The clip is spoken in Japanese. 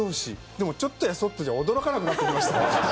でもちょっとやそっとじゃ驚かなくなってきました。